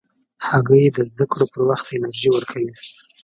هګۍ د زده کړو پر وخت انرژي ورکوي.